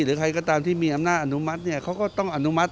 หรือใครก็ตามที่มีอำนาจอนุมัติเนี่ยเขาก็ต้องอนุมัติ